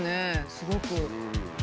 すごく。